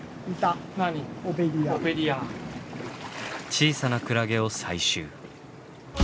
小さなクラゲを採集。